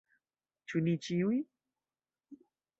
Ĉu ni ĉiuj?